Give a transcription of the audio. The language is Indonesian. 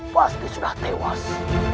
pasti sudah tewas